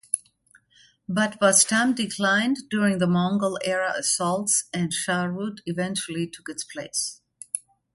But Bastam declined during the Mongol era assaults, and Shahrud eventually took its place.